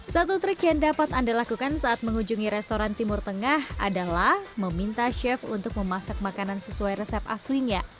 satu trik yang dapat anda lakukan saat mengunjungi restoran timur tengah adalah meminta chef untuk memasak makanan sesuai resep aslinya